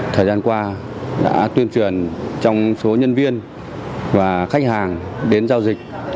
thời gian qua đã tuyên truyền trong số nhân viên và khách hàng đến giao dịch